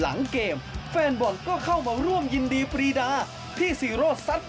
นึงนาทีมีเฮวันนี้นะครับไปร่วมแสดงความยินดีกับประตูแรกในนามทีมชาติไทยของเจ้าปิโป้